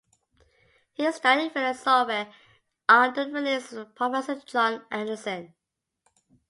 He studied philosophy under the realist Professor John Anderson.